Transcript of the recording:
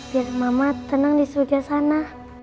biar mama tenang di surga sana